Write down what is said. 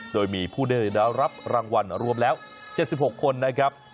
โดยมีผู้ได้รับรางวัลรวมแล้ว๗๖คนนะครับ